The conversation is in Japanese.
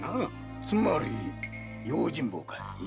つまり用心棒かい？